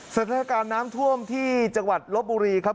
สถานการณ์น้ำท่วมที่จังหวัดลบบุรีครับ